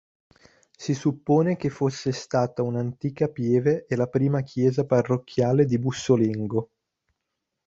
Si suppone che fosse stata un'antica pieve e la prima chiesa parrocchiale di Bussolengo.